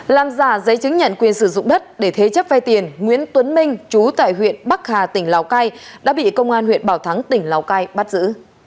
làm giả giấy chứng nhận quyền sử dụng đất để thế chấp vay tiền nguyễn tuấn minh chú tại huyện bắc hà tỉnh lào cai đã bị công an huyện bảo thắng tỉnh lào cai bắt giữ